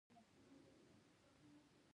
کلي د ټولو هیوادوالو لپاره لوی ویاړ دی.